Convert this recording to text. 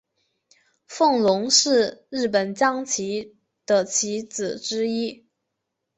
风龙是日本将棋的棋子之一。